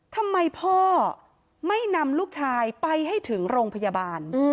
ทำไมพ่อไม่นำลูกชายไปให้ถึงโรงพยาบาล